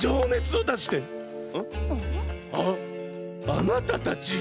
あなたたち！